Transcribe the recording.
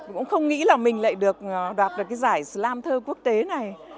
cũng không nghĩ là mình lại được đoạt được cái giải lam thơ quốc tế này